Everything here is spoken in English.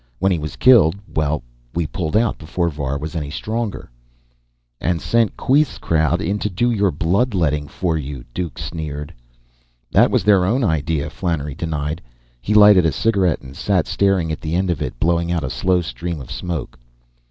When he was killed well, we pulled out before Var was any stronger." "And sent Queeth's crowd in to do your blood letting for you?" Duke sneered. "That was their own idea," Flannery denied. He lighted a cigarette and sat staring at the end of it, blowing out a slow stream of smoke.